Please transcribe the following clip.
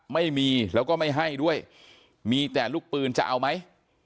ไม่มีแล้วก็ไม่ให้ด้วยมีแต่ลูกปืนจะเอาไหม